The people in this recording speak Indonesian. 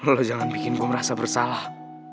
lu jangan bikin gua merasa bersalah